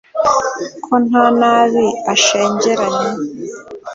ko nta nabi ashengeranye